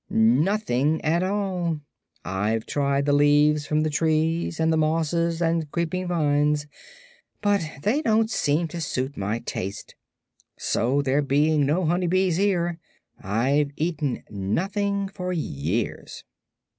"Nothing at all. I've tried the leaves from the trees and the mosses and creeping vines, but they don't seem to suit my taste. So, there being no honey bees here, I've eaten nothing for years.